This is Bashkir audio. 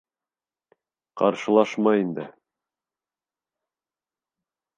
Ҡаршылашма инде.